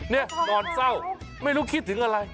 นี่นอนเศร้าไม่รู้คิดถึงอะไร